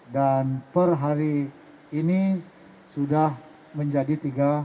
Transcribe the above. dan per hari ini sudah berjalan dengan lebih cepat